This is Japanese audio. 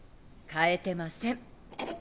変えてません。